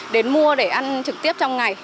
đến mua để ăn trực tiếp trong ngày